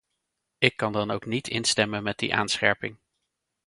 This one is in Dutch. Ik kan dan ook niet instemmen met die aanscherping.